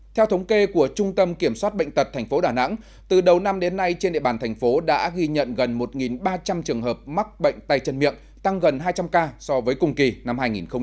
theo thống kê của trung tâm kiểm soát bệnh tật tp đà nẵng từ đầu năm đến nay trên địa bàn thành phố đã ghi nhận gần một ba trăm linh trường hợp mắc bệnh tay chân miệng tăng gần hai trăm linh ca so với cùng kỳ năm hai nghìn một mươi chín